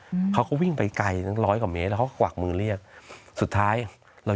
อืมเขาก็วิ่งไปไกลตั้งร้อยกว่าเมตรแล้วเขาก็กวักมือเรียกสุดท้ายเรา